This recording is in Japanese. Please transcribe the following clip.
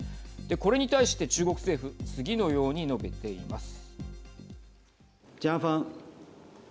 これに対して中国政府次のように述べています。